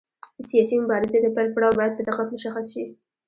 د سیاسي مبارزې د پیل پړاو باید په دقت مشخص شي.